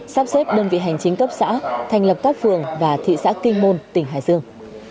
sắp xếp đơn vị hành chính cấp xã thành lập các phường và thị xã kinh môn tỉnh hải dương